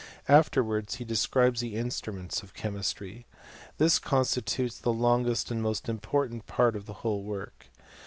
Afterwards he describes the instruments of chemistry. This constitutes the longest and the most important part of the whole work.